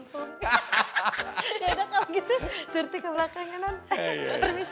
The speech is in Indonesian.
yaudah kalau gitu surti ke belakang ya non permisi permisi